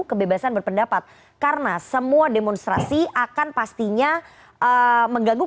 kebebasan berpendapat karena semua demonstrasi akan pastinya mengganggu